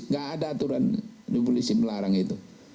gak ada aturan polisi melarang itu